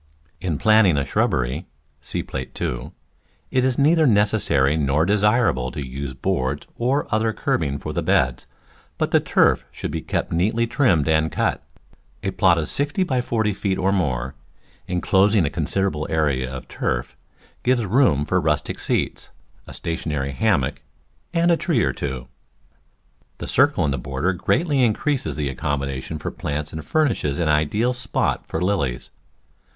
In planning a shrubbery (see Plate II.) it is neither necessary nor desirable to use boards or other curbing for the beds, but the turf should be kept neatly trimmed and cut. A plot 60 by 40 feet or more, in closing a considerable area of turf, gives room for rustic seats, a stationary hammock, and a tree or two. The circle in the border greatly increases the accom modation for plants and furnishes an ideal spot for lilies.